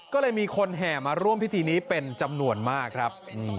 ก็เลยมีคนแห่มาร่วมพิธีนี้เป็นจำนวนมากครับ